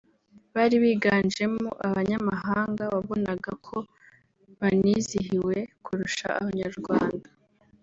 bari biganjemo abanyamahanga wabonaga ko banizihiwe kurusha Abanyarwanda